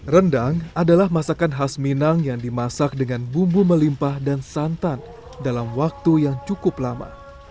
rendang adalah masakan khas minang yang dimasak dengan bumbu melimpah dan santan dalam waktu yang cukup lama